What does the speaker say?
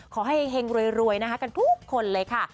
ขอให้แห่งรวยทุกคนเลยค่ะ